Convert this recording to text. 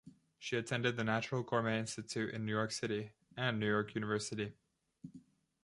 She attended the Natural Gourmet Institute in New York City, and New York University.